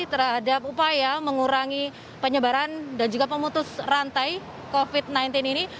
terhadap upaya mengurangi penyebaran dan juga pemutus rantai covid sembilan belas ini